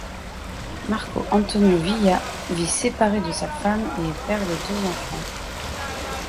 Marco Antonio Villa vit séparé de sa femme et est père de deux enfants.